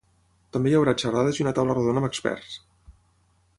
També hi haurà xerrades i una taula rodona amb experts.